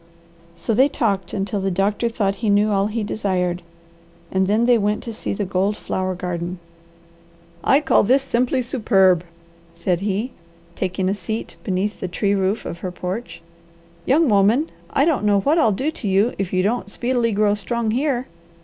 So they talked until the doctor thought he knew all he desired, and then they went to see the gold flower garden. "I call this simply superb," said he, taking a seat beneath the tree roof of her porch. "Young woman, I don't know what I'll do to you if you don't speedily grow strong here.